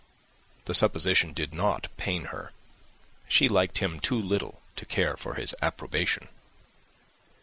The supposition did not pain her. She liked him too little to care for his approbation.